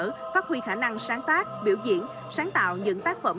đoàn nghệ thuật quân chúng có khuy khả năng sáng tác biểu diễn sáng tạo những tác phẩm